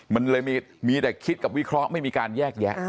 มันเลยมีแต่คิดกับวิเคราะห์ไม่มีการแยกแยะ